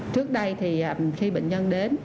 trước đây thì khi bệnh nhân đến